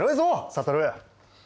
悟